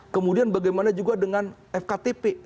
kemudian bagaimana juga dengan fktp